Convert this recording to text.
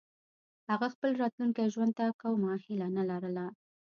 هغه خپل راتلونکي ژوند ته کومه هيله نه لري